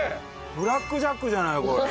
ブラックジャックじゃないこれ。